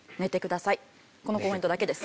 このコメントだけです。